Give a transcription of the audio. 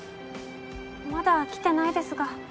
まだ来てないですが。